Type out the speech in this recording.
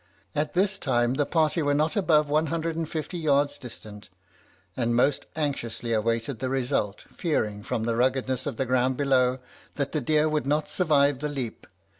"At this time the party were not above one hundred and fifty yards distant, and most anxiously waited the result, fearing, from the ruggedness of the ground below, that the deer would not survive the leap.